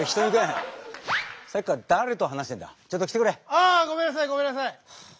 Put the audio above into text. ああごめんなさいごめんなさい。